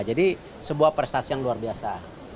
jadi sebuah prestasi yang luar biasa